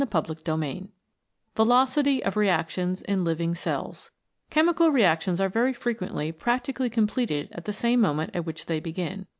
CHAPTER VII VELOCITY OF REACTIONS IN LIVING CELLS /""^HEMICAL reactions are very frequently \~^ practically completed at the same moment at which they begin.